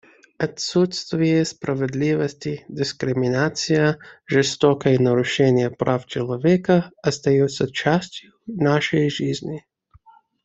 Отсутствие справедливости, дискриминация, жестокое нарушение прав человека остаются частью нашей жизни.